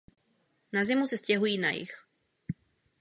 Na zimu se stěhují na jih.